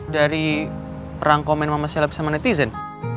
dari perang komen mama selap sama netizen